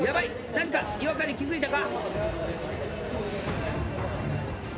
何か違和感に気付いたか！？